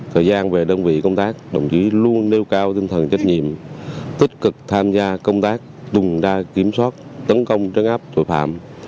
thời gian về đơn vị công tác đồng chí luôn nêu cao tinh thần trách nhiệm tích cực tham gia công tác tuần tra kiểm soát tấn công trấn áp tội phạm